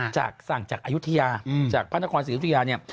จากสั่งจากอายุธยาจากพระนครศึกษีอุธยานี่